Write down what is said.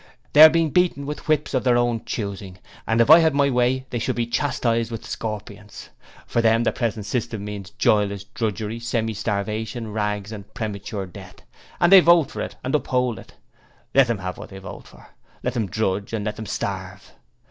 They are being beaten with whips of their own choosing, and if I had my way they should be chastised with scorpions. For them, the present system means joyless drudgery, semi starvation, rags and premature death; and they vote for it and uphold it. Let them have what they vote for! Let them drudge and let them starve!'